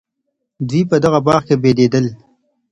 دوی په دغه باغ کي بېدېدل.